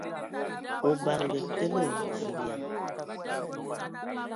O badǝge tele ! Zulǝyaŋ!